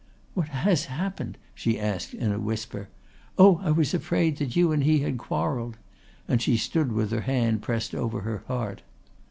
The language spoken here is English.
"What has happened?" she asked in a whisper. "Oh, I was afraid that you and he had quarrelled," and she stood with her hand pressed over her heart.